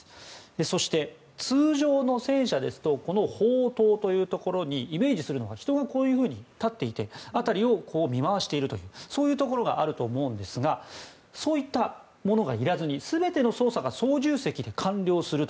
そして、通常の戦車ですとこの砲塔というところにイメージするのが人が立っていて辺りを見回しているというところがあると思うんですがそういったものがいらずに全ての操作が操縦席で完了すると。